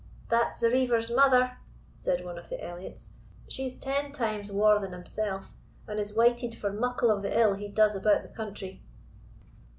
"That's the Reiver's mother," said one of the Elliots; "she's ten times waur than himsell, and is wyted for muckle of the ill he does about the country."